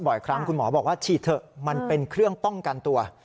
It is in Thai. บ่อยครั้งคุณหมอบอกว่าฉีดเถอะมันเป็นเครื่องป้องกันตัว